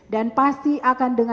dan pasti akan dengar